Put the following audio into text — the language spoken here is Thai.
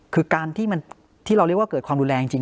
คือการที่เราเรียกว่าเกิดความรุนแรงจริง